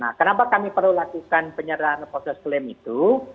nah kenapa kami perlu lakukan penyederhanakan proses pelayanan itu